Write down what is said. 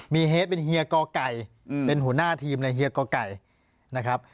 มีเฮดเป็นเฮียกอไก่เป็นหัวหน้าทีมในเฮียกอไก่นะครับ